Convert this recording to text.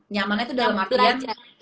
nyamannya itu dalam artian